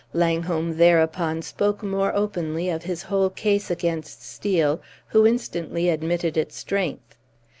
Langholm thereupon spoke more openly of his whole case against Steel, who instantly admitted its strength.